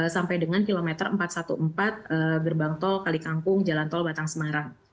sampai dengan kilometer empat ratus empat belas gerbang tol kalikangkung jalan tol batang semarang